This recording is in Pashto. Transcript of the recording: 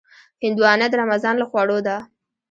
هندوانه د رمضان له خوړو ده.